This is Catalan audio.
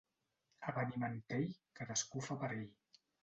A Benimantell, cadascú fa per ell.